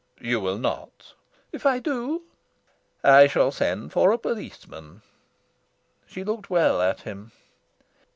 "You will not." "If I do?" "I shall send for a policeman." She looked well at him.